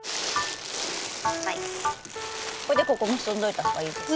これでここ結んどいた方がいいですか？